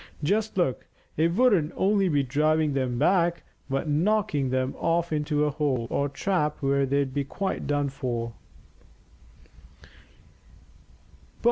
Just look, it wouldn't only be driving them back, but knocking them off into a hole or trap where they'd be quite done for."